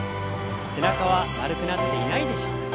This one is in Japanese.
背中は丸くなっていないでしょうか？